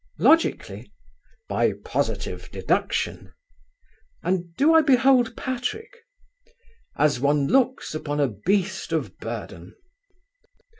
"Logically?" "By positive deduction." "And do I behold Patrick?" "As one looks upon a beast of burden."